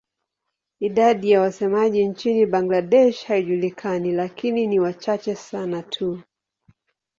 Idadi ya wasemaji nchini Bangladesh haijulikani lakini ni wachache sana tu.